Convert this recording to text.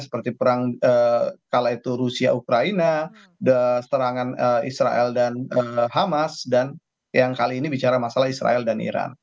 seperti perang kala itu rusia ukraina serangan israel dan hamas dan yang kali ini bicara masalah israel dan iran